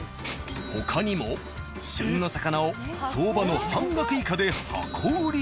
他にも旬の魚を相場の半額以下で箱売り。